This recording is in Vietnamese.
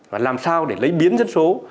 và làm sao để lấy biến dân số